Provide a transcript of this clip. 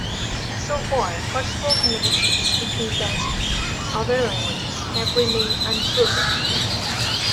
So far, possible connections between Basque and other languages have remained unproven.